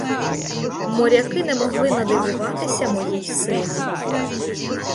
Моряки не могли надивуватися моїй силі.